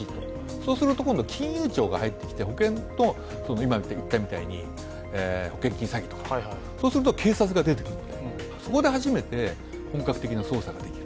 そうすると今度は金融庁が入ってきて保険と今言ったみたいに保険金詐欺とかそうすると警察が出てくるのでそこで初めて本格的な捜査になる。